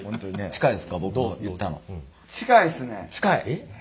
近い。